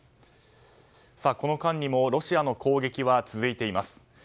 この間にもロシアの攻撃は続いています。